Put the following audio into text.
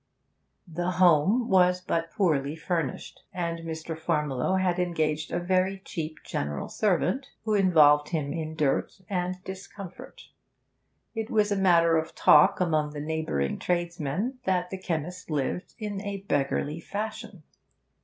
The home was but poorly furnished, and Mr. Farmiloe had engaged a very cheap general servant, who involved him in dirt and discomfort. It was a matter of talk among the neighbouring tradesmen that the chemist lived in a beggarly fashion.